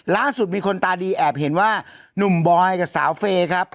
ล่าสุดมีคนตาดีแอบเห็นว่าหนุ่มบอยกับสาวเฟย์ครับ